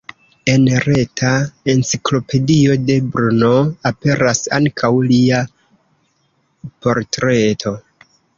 En reta Enciklopedio de Brno aperas ankaŭ lia portreto.